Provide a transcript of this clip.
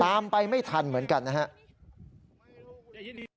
เพราะถูกทำร้ายเหมือนการบาดเจ็บเนื้อตัวมีแผลถลอก